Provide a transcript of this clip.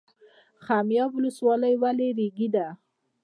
خمیاب ولسوالۍ ولې ریګي ده؟